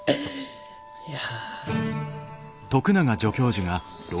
いや。